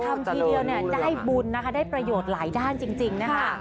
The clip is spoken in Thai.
ทำทีเดียวเนี่ยได้บุญนะคะได้ประโยชน์หลายด้านจริงนะคะ